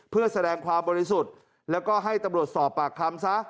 เพื่อแสดงความบริสุทธิ์แล้วก็ให้ตำรวจสอบปากคำซะ